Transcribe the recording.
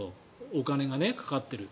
お金がかかってる。